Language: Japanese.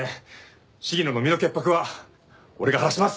鴫野の身の潔白は俺が晴らします！